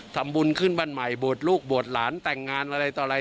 ทำบุญขึ้นบ้านใหม่บวชลูกบวชหลานแต่งงานอะไรต่ออะไร